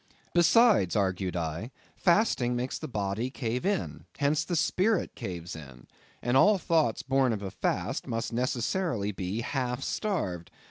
Besides, argued I, fasting makes the body cave in; hence the spirit caves in; and all thoughts born of a fast must necessarily be half starved.